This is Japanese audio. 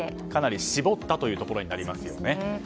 かなり絞ったというところになりますよね。